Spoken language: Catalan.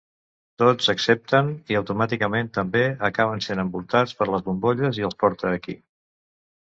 Tots accepten, i automàticament també acaben sent envoltats per les bombolles i els porta aquí.